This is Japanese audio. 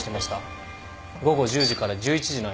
午後１０時から１１時の間です。